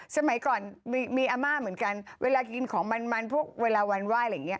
สมัยก่อนมีอาม่าเหมือนกันเวลากินของมันพวกเวลาวันไหว้